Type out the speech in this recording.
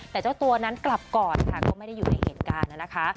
แต่เจ้าตัวนั้นกลับก่อนค่ะก็ไม่ได้อยู่ในเหตุการณ์นะคะ